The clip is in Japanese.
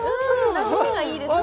なじみがいいですね